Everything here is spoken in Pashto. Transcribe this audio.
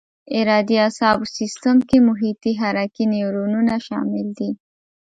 ارادي اعصابو سیستم کې محیطي حرکي نیورونونه شامل دي.